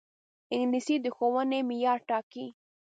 انګلیسي د ښوونې معیار ټاکي